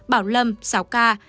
bảo lâm sáu ca